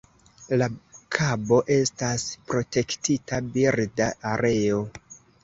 La kabo estas protektita birda areo.